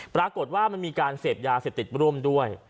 ปรากฏว่ามันมีการเสพยาเสพติดร่วมด้วย